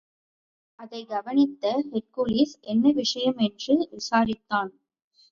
அதைக் கவனித்த ஹெர்க்குலிஸ், என்ன விஷயம் என்று விசாரித்தான்.